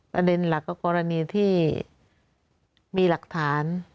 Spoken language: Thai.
ประเด็นหลักก็กรณีที่มีหลักฐาน